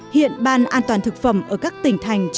hiện ban an toàn thực phẩm ở các tỉnh thành